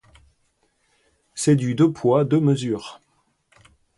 C'est du deux poids, deux mesures.